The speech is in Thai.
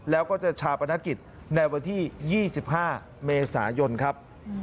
แล้วก็จะชาปนกิจในวันที่๒๕เมษายนครับ